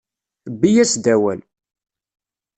Bbi-yas-d, awal!